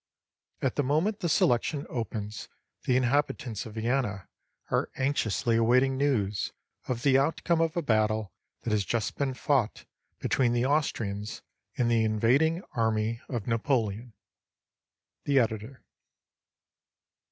At the moment the selection opens the inhabitants of Vienna are anxiously awaiting news of the outcome of a battle that has just been fought between the Austrians and the invading army of Napoleon. The Editor.